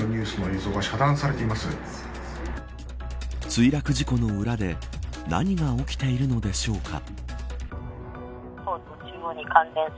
墜落事故の裏で何が起きているのでしょうか。